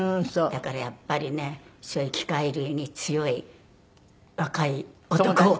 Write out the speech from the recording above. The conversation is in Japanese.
だからやっぱりねそういう機械類に強い若い男を。